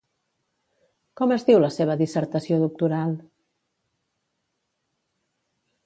Com es diu la seva dissertació doctoral?